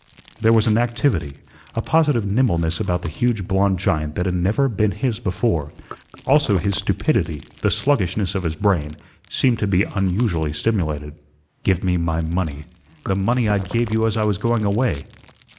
There was an activity, a positive nimbleness about the huge blond giant that had never been his before; also his stupidity, the sluggishness of his brain, seemed to be unusually stimulated. "Give me my money, the money I gave you as I was going away."